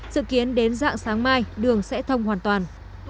dự kiến đến dạng sáng mai đường sẽ thông hoàn toàn